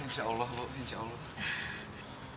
insya allah pak insya allah